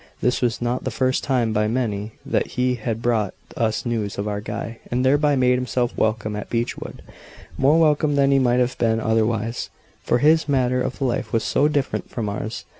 This was not the first time by many that he had brought us news of our Guy, and thereby made himself welcome at Beechwood. More welcome than he might have been otherwise; for his manner of life was so different from ours.